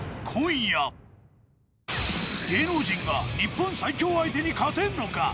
芸能人が日本最強相手に勝てるのか。